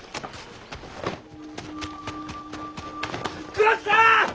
黒木さん！